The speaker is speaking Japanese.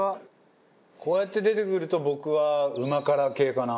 こうやって出てくると僕は旨辛系かな。